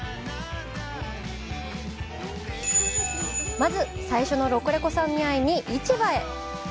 まず最初のロコレコさんに会いに市場へ！